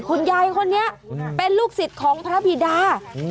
คุณยายคนนี้เป็นลูกศิษย์ของพระบิดา